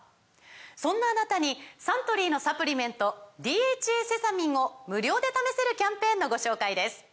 そんなあなたにサントリーのサプリメント「ＤＨＡセサミン」を無料で試せるキャンペーンのご紹介です